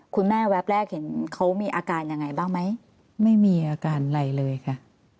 แวบแรกเห็นเขามีอาการยังไงบ้างไหมไม่มีอาการอะไรเลยค่ะ